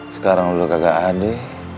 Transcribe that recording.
sekarang lo gak ada